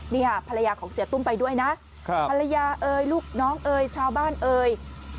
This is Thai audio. นี่ค่ะภรรยาของเสียตุ้มไปด้วยนะภรรยาเอ่ยลูกน้องเอ๋ยชาวบ้านเอ่ย